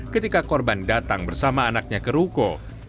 ketika korban datang bersama anaknya keruko